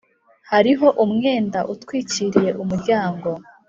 hariho umwenda utwikiriye umuryango.